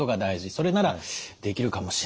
それならできるかもしれないと。